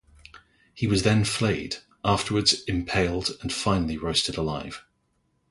He was then flayed, afterwards impaled and finally roasted alive.